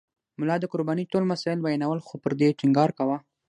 ملا د قربانۍ ټول مسایل بیانول خو پر دې یې ټینګار کاوه.